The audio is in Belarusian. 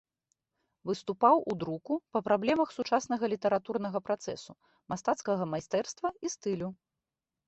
Выступаў у друку па праблемах сучаснага літаратурнага працэсу, мастацкага майстэрства і стылю.